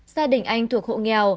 gia đình anh thuộc hộ nghèo